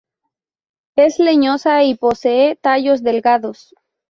Es leñosa y posee tallos delgados.